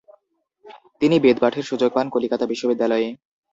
তিনি বেদপাঠের সুযোগ পান কলিকাতা বিশ্ববিদ্যালয়ে।